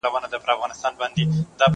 زه سپينکۍ مينځلي دي!